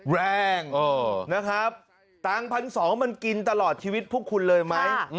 แรงนะครับตังค์๑๒๐๐บาทมันกินตลอดชีวิตพวกคุณเลยไหม